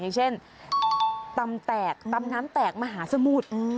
อย่างเช่นตำแตกตำน้ำแตกมหาสมุทร